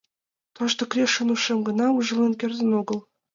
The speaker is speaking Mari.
Тошто Крешын ушем гына ужален кертын огыл.